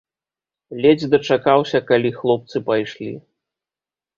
Ледзь дачакаўся, калі хлопцы пайшлі.